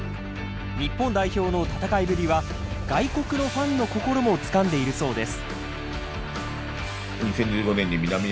日本代表の戦いぶりは外国のファンの心もつかんでいるそうです。